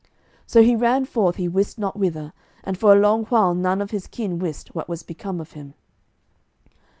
So he ran forth he wist not whither, and for a long while none of his kin wist what was become of him.